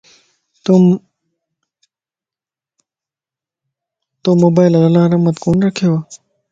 تو موبائل الارمت ڪون رکيو؟